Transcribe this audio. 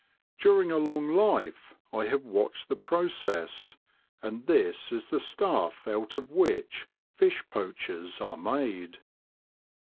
During a long life I have watched the process, and this is the stuff out of which fish poachers are made.